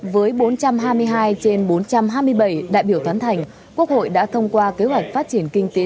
với bốn trăm hai mươi hai trên bốn trăm hai mươi bảy đại biểu toán thành quốc hội đã thông qua kế hoạch phát triển kinh tế xã hội năm hai nghìn hai mươi